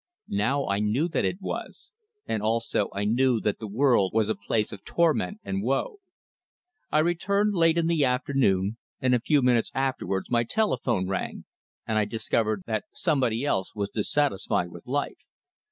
Now I knew that it was: and also I knew that the world was a place of torment and woe. I returned late in the afternoon, and a few minutes afterwards my telephone rang, and I discovered that somebody else was dissatisfied with life.